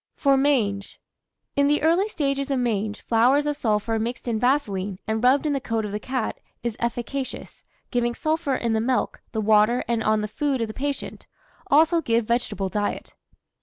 FOR MANGE. In the early stages of mange, flowers of sulphur mixed in vaseline, and rubbed in the coat of the cat, is efficacious, giving sulphur in the milk, the water, and on the food of the patient; also give vegetable diet.